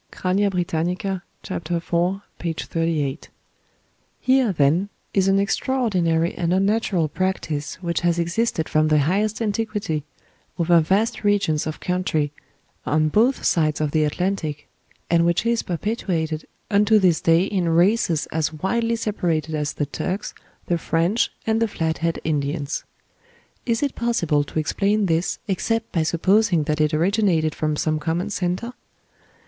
("Crania Britannica," chap. iv., p. 38.) PERUVIAN SKULL. CHINOOK (FLAT HEAD), AFTER CATLIN. Here, then, is an extraordinary and unnatural practice which has existed from the highest antiquity, over vast regions of country, on both sides of the Atlantic, and which is perpetuated unto this day in races as widely separated as the Turks, the French, and the Flat head Indians. Is it possible to explain this except by supposing that it originated from some common centre?